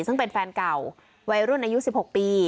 ซึ่งเป็นแฟนเก่าวัยรุ่นอายุ๑๖ปี